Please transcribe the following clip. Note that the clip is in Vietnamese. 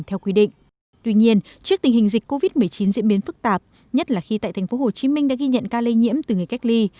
tuy nhiên trước tình hình dịch covid một mươi chín diễn biến phức tạp nhất là khi tại tp hcm đã ghi nhận ca lây nhiễm từ người cách ly